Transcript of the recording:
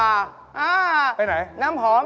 จุปปะจุบ